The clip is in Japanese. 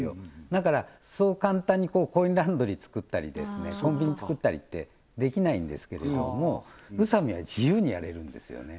だからそう簡単にコインランドリーつくったりコンビニつくったりってできないんですけれども宇佐美は自由にやれるんですよね